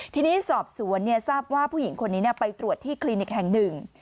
ทีนี้สอบสวนทราบว่าผู้หญิงคนนี้ไปตรวจที่คลินิกแห่งหนึ่ง